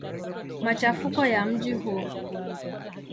Machafuko ya mji huu.